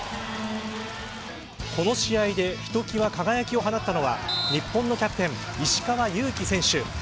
この試合でひときわ輝きを放ったのは日本のキャプテン石川祐希選手。